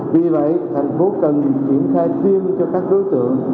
vì vậy thành phố cần triển khai tiêm cho các đối tượng